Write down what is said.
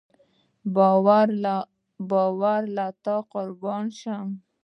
یاره له تا قربان شم